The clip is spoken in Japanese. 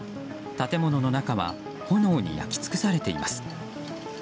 建物の中は炎に焼き尽くされています。